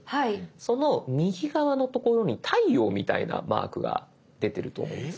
その右側のところに太陽みたいなマークが出てると思います。